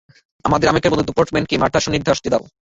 আমাদের আমেরিকান বন্ধু ডুপোন্টকে মার্থার সান্নিধ্যে আসতে দাও।